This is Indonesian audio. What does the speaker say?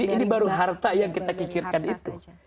ini baru harta yang kita kikirkan itu